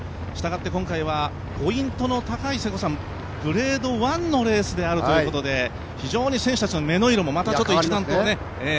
したがって今回はポイントの高いグレード１のレースということで非常に選手たちの目の色も一段とね。